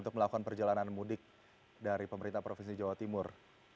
untuk melakukan perjalanan mudik dari pemerintah provinsi jawa timur